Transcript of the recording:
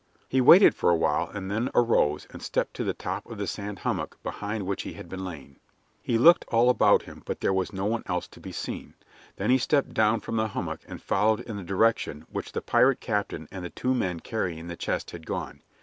He waited for a while, and then arose and stepped to the top of the sand hummock behind which he had been lying. He looked all about him, but there was no one else to be seen. Then he stepped down from the hummock and followed in the direction which the pirate captain and the two men carrying the chest had gone.